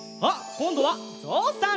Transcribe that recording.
こんどはぞうさん！